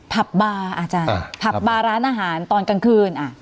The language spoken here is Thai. ผับบาร์อาจารย์ผับบาร์ร้านอาหารตอนกลางคืน